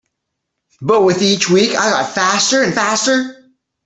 But with each week I got faster and faster.